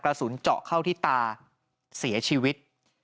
กระสุนเจาะเข้าที่ตาเสียชีวิต